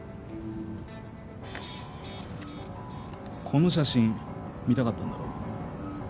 この写真見たかったんだろ？